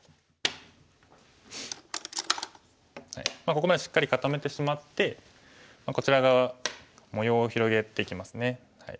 ここまでしっかり固めてしまってこちら側模様を広げていきますね。